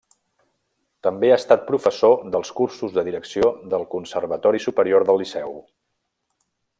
També ha estat professor dels cursos de direcció del Conservatori Superior del Liceu.